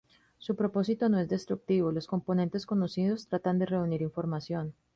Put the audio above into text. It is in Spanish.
Su propósito no es destructivo, los componentes conocidos tratan de reunir información.